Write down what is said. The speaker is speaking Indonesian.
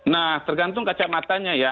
nah tergantung kacamatanya ya